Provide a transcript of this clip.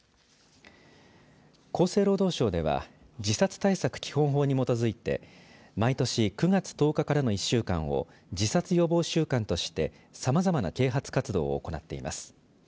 厚生労働省では自殺対策基本法に基づいて毎年９月１０日からの１週間を自殺予防週間としてさまざまな啓発活動を行っています。